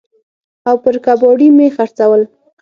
او پر کباړي مې خرڅول.